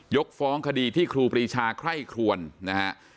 กฟ้องคดีที่ครูปรีชาไคร่ครวนนะฮะ